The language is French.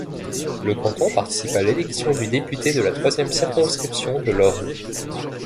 Le canton participe à l'élection du député de la troisième circonscription de l'Orne.